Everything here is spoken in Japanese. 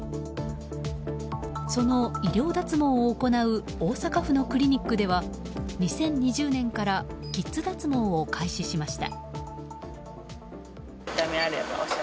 その医療脱毛を行う大阪府のクリニックでは２０２０年からキッズ脱毛を開始しました。